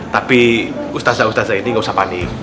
tapi ustazah ustazah ini nggak usah panik